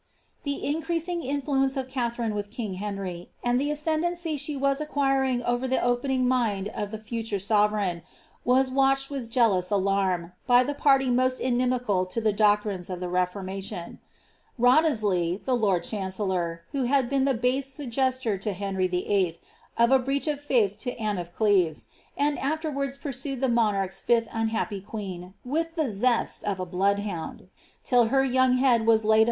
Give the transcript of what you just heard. The increasing influence of Katharine with king Henry, and the as cendancy she was acquiring over the opening mind of the future sove reign, were watched with jealous alarm, by the party most inimical to the doctrines of the Reformation. Wriothesley, the lord <;hancellor« who had been the base suggester to Henry VII I. of a breach of faith to Anne of Cleves, and afterwards pursued that monarches fifth unhappt queen with the zest of a bloodhound,* till her young head was laid upofl *iice the Lioijraphies of Anne o£ CVcncs acvd Katharine Howard. VoL IV.